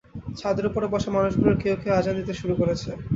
ছাদের ওপরে বসা মানুষগুলোর কেউ-কেউ আজান দিতে শুরু করেছে।